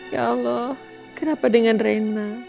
ya allah kenapa dengan reina